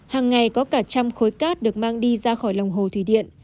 hàng ngày có cả trăm khối cát được mang đi ra khỏi lòng hồ thủy điện